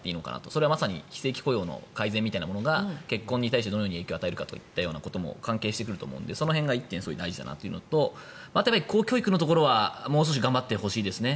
それはまさに非正規雇用の改善みたいなものが結婚に対してどのような影響を与えるかも関係してくると思うので大事だなというのとあとは公教育のところはもう少し頑張ってほしいですね。